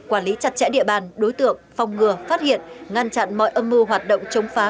quản lý chặt chẽ địa bàn đối tượng phòng ngừa phát hiện ngăn chặn mọi âm mưu hoạt động chống phá